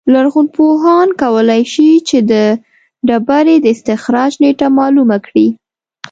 لرغونپوهان کولای شي چې د ډبرې د استخراج نېټه معلومه کړي